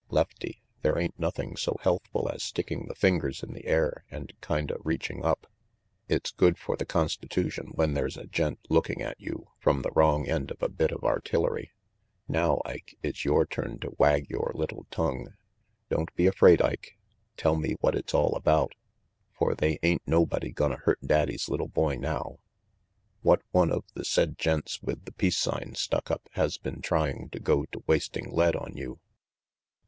Lefty, there ain't nothing so healthful as sticking the fingers in the air and kinda reaching up. It's good for the constitushun when there's a gent looking at 170 RANGY PETE you from the wrong end of a bit of artillery. Now, Ike, it's yore turn to wag yore little tongue. Don't be afraid, Ike. Tell me what it's all about, for they ain't nobody gonna hurt daddy's little boy now. What one of the said gents with the peace sign stuck up has been trying to go to wasting lead on you?"